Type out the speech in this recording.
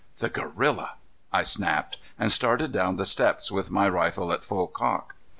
"The gorilla," I snapped, and started down the steps with my rifle at full cock.